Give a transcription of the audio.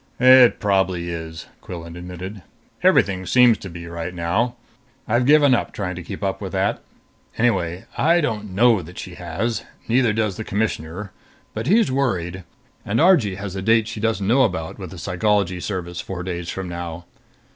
"It probably is," Quillan admitted. "Everything seems to be, right now. I've given up trying to keep up with that. Anyway I don't know that she has. Neither does the Commissioner. But he's worried. And Argee has a date she doesn't know about with the Psychology Service, four days from now."